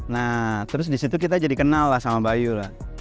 nah terus disitu kita jadi kenal lah sama bayu lah